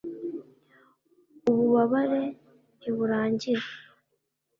ububabare ntiburangira